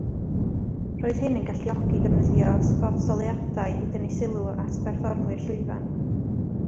Roedd hyn yn galluogi defnyddio sbotoleuadau i dynnu sylw at berfformwyr llwyfan.